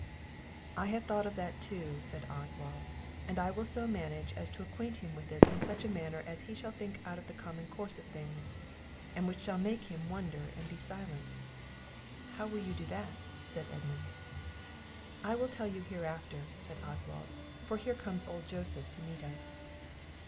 "I have thought of that too," said Oswald; "and I will so manage, as to acquaint him with it in such a manner as he shall think out of the common course of things, and which shall make him wonder and be silent." "How will you do that," said Edmund? "I will tell you hereafter," said Oswald; "for here comes old Joseph to meet us."